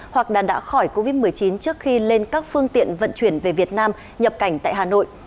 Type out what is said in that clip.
hoặc là đã khỏi covid một mươi chín trước khi lên các phương tiện vận chuyển về việt nam nhập cảnh tại hà nội